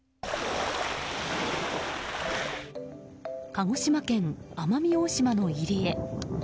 鹿児島県奄美大島の入り江。